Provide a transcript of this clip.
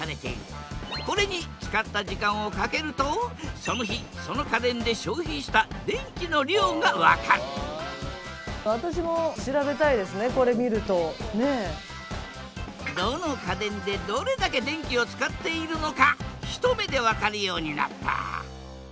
これに使った時間を掛けるとその日その家電で消費した電気の量が分かるどの家電でどれだけ電気を使っているのか一目で分かるようになった。